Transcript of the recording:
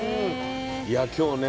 いや今日ね